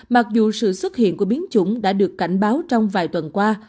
mặc dù sự xuất hiện của biến chủng đã được cảnh báo trong vài tuần qua